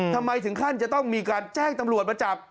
ทำไมถึงขั้นจะต้องมีการแจ้งตำรวจมาจับ